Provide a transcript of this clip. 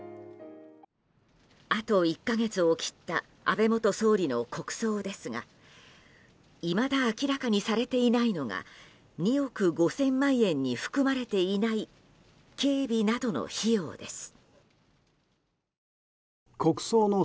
あと１か月を切った安倍元総理の国葬ですがいまだ明らかにされていないのが２億５０００万円に含まれていない警備などの費用です。